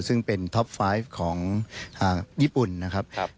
ซึ่งเป็นท็อปไฟล์ของญี่ปุ่นนะครับ